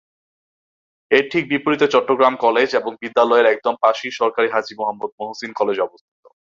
এর ঠিক বিপরীতে চট্টগ্রাম কলেজ এবং বিদ্যালয়ের একদম পাশেই সরকারি হাজী মুহাম্মদ মহসিন কলেজ অবস্থিত।